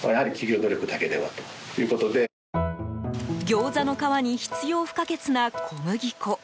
ギョーザの皮に必要不可欠な小麦粉。